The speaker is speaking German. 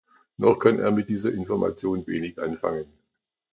Noch kann er mit dieser Information wenig anfangen.